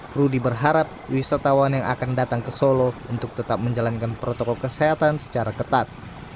rudi berharap wisatawan yang akan datang ke solo untuk tetap menjalankan protokol kesehatan secara ketat